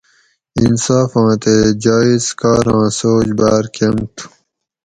انصافاں تے جایٔز کاراں سوچ باۤر کۤم تھو